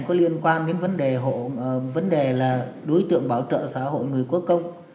khoan đến vấn đề là đối tượng bảo trợ xã hội người quốc công